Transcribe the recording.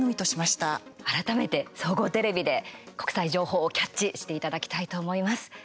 改めて総合テレビで国際情報をキャッチしていただきたいと思います。